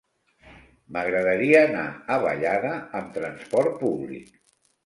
M'agradaria anar a Vallada amb transport públic.